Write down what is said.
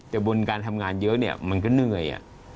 แต่บนการทำงานเยอะเนี่ยมันก็เหนื่อย